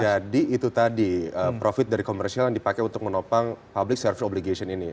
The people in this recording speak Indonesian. jadi itu tadi profit dari commercial yang dipakai untuk menopang public service obligation ini